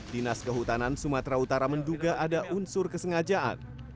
dinas kehutanan sumatera utara menduga ada unsur kesengajaan